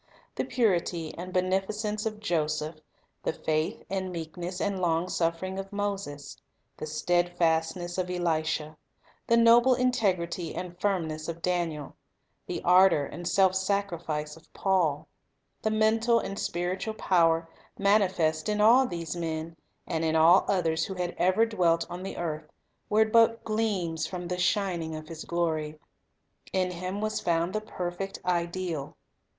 The purity and beneficence of Joseph, the faith and meekness and The Perfect long suffering of Moses, the steadfastness of Elisha, the noble integrity and firmness of Daniel, the ardor and self sacrifice of Paul, the mental and spiritual power man ifest in all these men, and in all others who had ever dwelt on the earth, were but gleams from the shining of His glory. In Him was found the perfect ideal.